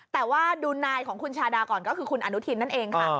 แต่ว่าดูนายของคุณชาดาก่อนก็คือคุณอนุทินนั่นเองค่ะ